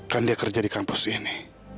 kan dia kerja di kampus ini